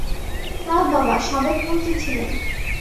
তার বাবা সাবেক মন্ত্রী ছিলেন।